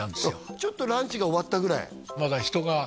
ちょっとランチが終わったぐらい